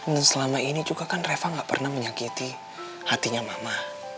dan selama ini juga kan reva nggak pernah menyakiti hatinya mama